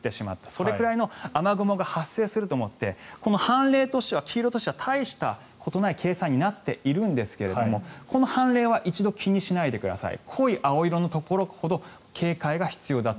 それくらいの雨雲が発生すると思って判例としては黄色としては大したことない計算になっているんですがこの判例は一度気にしないでください。